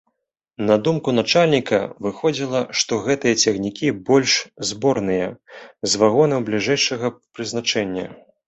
На думку начальніка, выходзіла, што гэтыя цягнікі больш зборныя, з вагонаў бліжэйшага прызначэння.